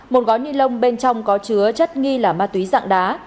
một gói nilon bên trong có chứa chất nghi là ma túy dạng đá